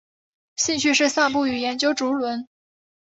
兴趣是散步与研究竹轮。